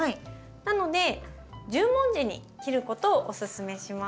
なので十文字に切ることをおすすめします。